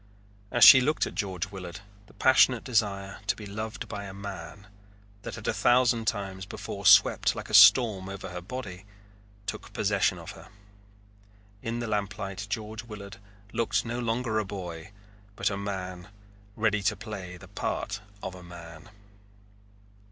As she looked at George Willard, the passionate desire to be loved by a man, that had a thousand times before swept like a storm over her body, took possession of her. In the lamplight George Willard looked no longer a boy, but a man ready to play the part of a man.